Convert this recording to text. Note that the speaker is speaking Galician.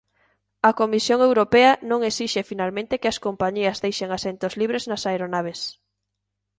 A Comisión Europea non esixe finalmente que as compañías deixen asentos libres nas aeronaves.